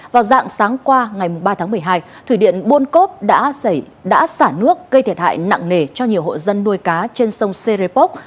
vào dạng sáng qua ngày ba tháng một mươi hai thủy điện buôn cốp đã xả nước gây thiệt hại nặng nề cho nhiều hộ dân nuôi cá trên sông serepok